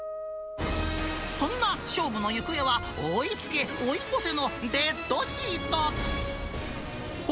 そんな勝負の行方は、追いつけ追い越せのデッドヒート。